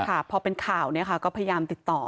ค่ะพอเป็นข่าวเนี่ยค่ะก็พยายามติดต่อ